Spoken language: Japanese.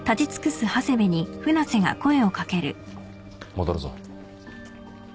戻るぞ。